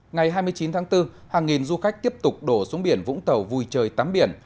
ngày hai mươi chín tháng bốn hàng nghìn du khách tiếp tục đổ xuống biển vũng tàu vui trời tắm biển